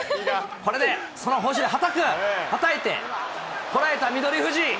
これではたく、はたいて、こらえた、翠富士。